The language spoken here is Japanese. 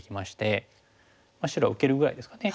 白は受けるぐらいですかね。